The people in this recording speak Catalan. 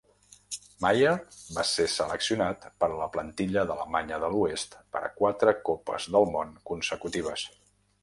Maier va ser seleccionat per a la plantilla d'Alemanya de l'Oest per a quatre Copes del Món consecutives.